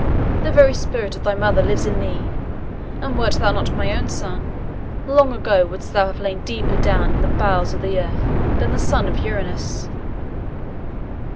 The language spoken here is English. The very spirit of thy mother lives in thee, and wert thou not my son, long ago wouldst thou have lain deeper down in the bowels of the earth than the son of Uranus."